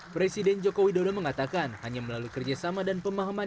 presiden joko widodo mengatakan hanya melalui kerjasama dan pemahaman